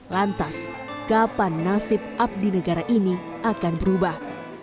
lantas kapan nasib abdi negara ini akan berubah